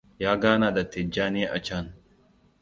Ya gana da Tijjani a can.